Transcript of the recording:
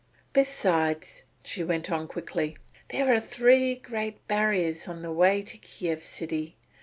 "Besides," she went on quickly, "there are three great barriers on the way to Kiev city.